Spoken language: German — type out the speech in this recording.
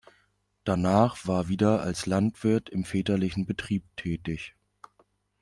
Danach war wieder als Landwirt im väterlichen Betrieb tätig.